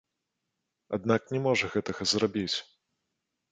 Аднак не можа гэтага зрабіць.